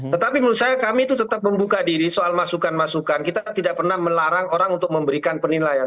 tetapi menurut saya kami itu tetap membuka diri soal masukan masukan kita tidak pernah melarang orang untuk memberikan penilaian